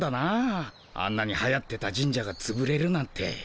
あんなにはやってた神社がつぶれるなんて。